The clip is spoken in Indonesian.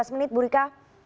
lima belas menit bu rika